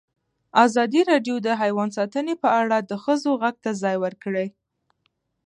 ازادي راډیو د حیوان ساتنه په اړه د ښځو غږ ته ځای ورکړی.